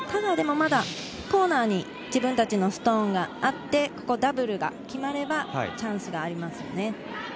ただコーナーに自分たちのストーンがあってダブルが決まればチャンスがあります。